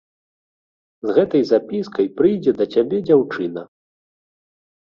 З гэтай запіскай прыйдзе да цябе дзяўчына.